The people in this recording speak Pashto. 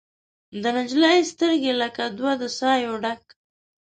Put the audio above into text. د نجلۍ سترګې لکه دوه د سايو ډک